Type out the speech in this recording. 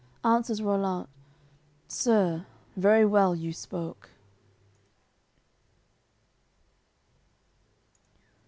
Answers Rollant: "Sir, very well you spoke."